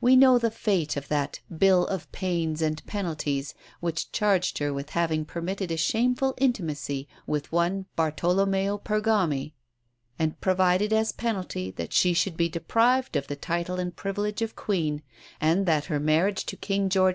We know the fate of that Bill of Pains and Penalties, which charged her with having permitted a shameful intimacy with one Bartolomeo Pergami, and provided as penalty that she should be deprived of the title and privilege of Queen, and that her marriage to King George IV.